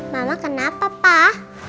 mama kenapa pak